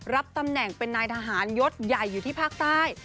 รับตำแหน่งเป็นนายทหารยศใหญ่อยู่ที่ภาคใต้